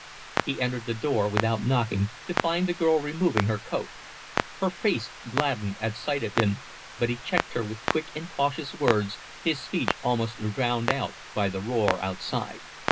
He entered the door without knocking, to find the girl removing her coat. Her face gladdened at sight of him, but he checked her with quick and cautious words, his speech almost drowned by the roar outside.